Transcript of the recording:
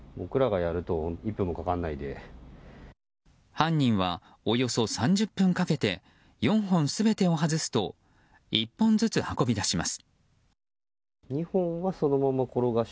犯人はおよそ３０分かけて４本全てを外すと１本ずつ運び出します。